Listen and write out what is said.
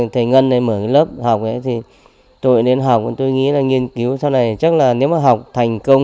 thầy ngân mở lớp học thì tôi đến học tôi nghĩ là nghiên cứu sau này chắc là nếu mà học thành công